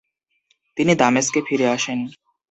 তিনি দামেস্কে ফিরে আসেন।